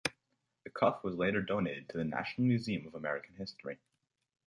The cuff was later donated to the National Museum of American History.